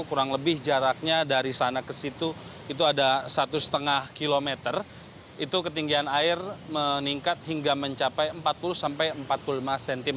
kurang lebih jaraknya dari sana ke situ itu ada satu lima km itu ketinggian air meningkat hingga mencapai empat puluh sampai empat puluh lima cm